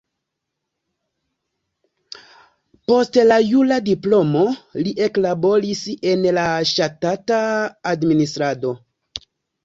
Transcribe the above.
Post la jura diplomo li eklaboris en la ŝtata administrado.